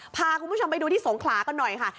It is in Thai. พาคุณผู้ชมไปดูที่สงขลากันหน่อยค่ะ